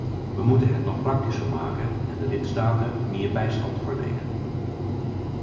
We moeten het nog praktischer maken en de lidstaten meer bijstand verlenen.